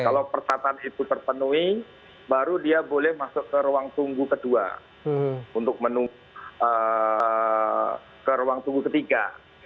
kalau persatan itu terpenuhi baru dia boleh masuk ke ruang tunggu kedua untuk menunggu ke ruang tunggu ketiga